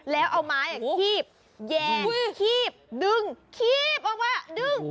แล้วเอาไม้คีบคีบดึงคีบออกมาดึง